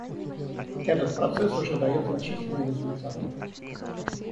Этот процесс уже дает значительные результаты.